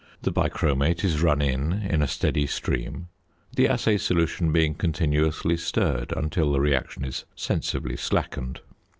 The bichromate is run in, in a steady stream, the assay solution being continuously stirred until the reaction is sensibly slackened.